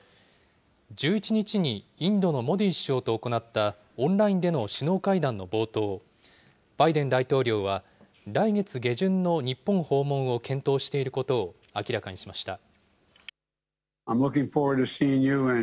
１１日にインドのモディ首相と行ったオンラインでの首脳会談の冒頭、バイデン大統領は来月下旬の日本訪問を検討していることを明らかにしました。